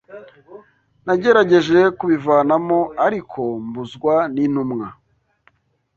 Nagerageje kubivanamo ariko mbuzwa n’intumwa